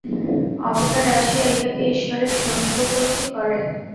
অবতার আসিয়া ইহাকে ঈশ্বরের সমীপবর্তী করেন।